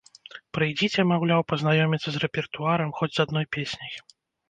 Прыйдзіце, маўляў, пазнаёміцца з рэпертуарам, хоць з адной песняй.